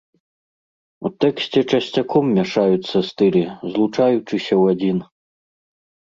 У тэксце часцяком мяшаюцца стылі, злучаючыся ў адзін.